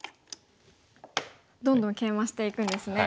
どんどんケイマしていくんですね。